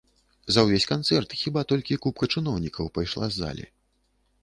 За ўвесь канцэрт хіба толькі купка чыноўнікаў пайшла з залі.